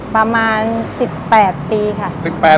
ประมาณ๑๘ปีค่ะ